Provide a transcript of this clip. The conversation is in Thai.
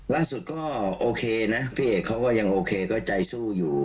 ล่าสุดก็โอเคนะพี่เอกเขาก็ยังโอเคก็ใจสู้อยู่